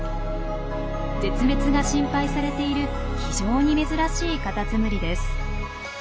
絶滅が心配されている非常に珍しいカタツムリです。